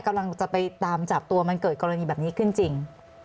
กำลังจะไปตามจับตัวมันเกิดกรณีแบบนี้ขึ้นจริง